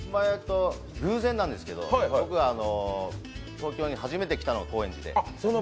偶然なんですけど、僕が東京に初めて来たのが高円寺で。